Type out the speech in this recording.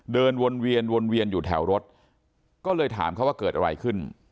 เดินวนเวียนวนเวียนอยู่แถวรถก็เลยถามเขาว่าเกิดอะไรขึ้น